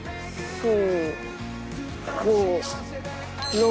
そう？